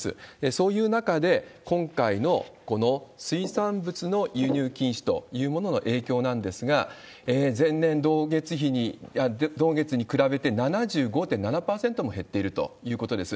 そういう中で今回のこの水産物の輸入禁止というものの影響なんですが、前年同月に比べて、７５．７％も減っているということです。